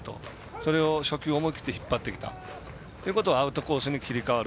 それを初球思い切り引っ張ってきたということはアウトコースに切り替わる。